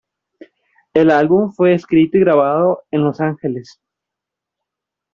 El álbum fue escrito y grabado en Los Ángeles.